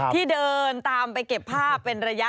ที่เดินตามไปเก็บภาพเป็นระยะ